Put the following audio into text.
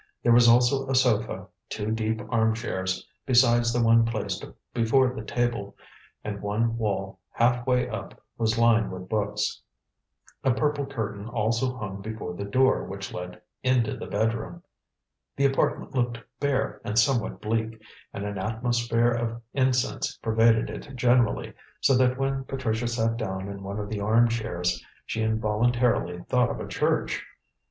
There was also a sofa, two deep arm chairs, besides the one placed before the table, and one wall half way up was lined with books. A purple curtain also hung before the door which led into the bedroom. The apartment looked bare and somewhat bleak, and an atmosphere of incense pervaded it generally, so that when Patricia sat down in one of the arm chairs, she involuntarily thought of a church.